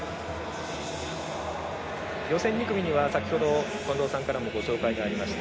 予選２組には先ほど近藤さんからもご紹介がありました